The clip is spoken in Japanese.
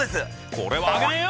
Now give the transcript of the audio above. これはあげねえよ！